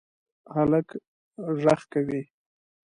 هلک غږ کوی